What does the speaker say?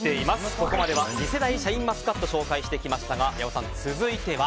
ここまでは次世代シャインマスカットをご紹介してきましたが八尾さん、続いては？